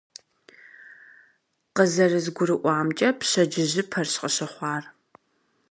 КъызэрызгурыӀуамкӀэ, пщэдджыжьыпэрщ къыщыхъуар.